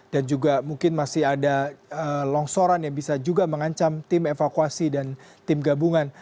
dan juga mungkin masih ada longsoran yang bisa juga mengancam tim evakuasi dan tim gabungan